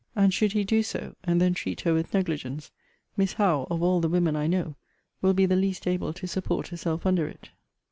And should he do so, and then treat her with negligence, Miss Howe, of all the women I know, will be the least able to support herself under it.